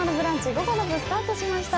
午後の部スタートしました。